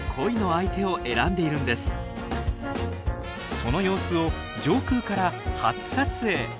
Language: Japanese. その様子を上空から初撮影。